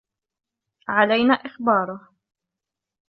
علينا اخباره.